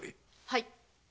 はい。